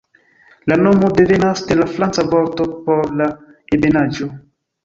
La nomo devenas de la franca vorto por 'la ebenaĵo'.